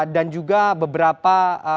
dan juga beberapa